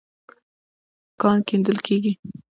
کان کيندل کېږي.